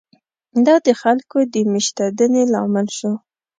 دا د خلکو د مېشتېدنې لامل شو.